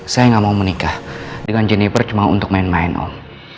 saya nggak mau menikah dengan jennifer cuma untuk main main on